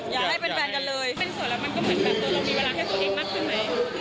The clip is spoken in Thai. อยากให้เป็นแฟนกันเลยเส้นสวยแล้วมันก็เหมือนแบบเออเรามีเวลาให้ตัวเองมากขึ้นไหม